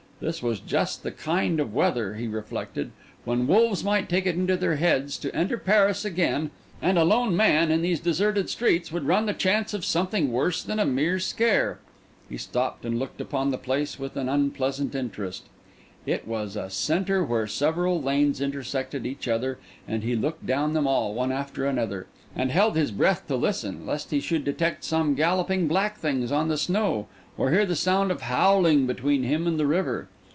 This was just the kind of weather, he reflected, when wolves might take it into their heads to enter Paris again; and a lone man in these deserted streets would run the chance of something worse than a mere scare. He stopped and looked upon the place with an unpleasant interest—it was a centre where several lanes intersected each other; and he looked down them all one after another, and held his breath to listen, lest he should detect some galloping black things on the snow or hear the sound of howling between him and the river.